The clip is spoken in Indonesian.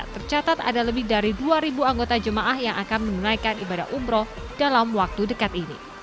tercatat ada lebih dari dua anggota jemaah yang akan menunaikan ibadah umroh dalam waktu dekat ini